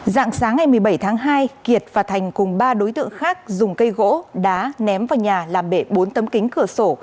dạng sáng ngày một mươi bảy tháng hai kiệt và thành cùng ba đối tượng khác dùng cây gỗ đá ném vào nhà làm bể bốn tấm kính cửa sổ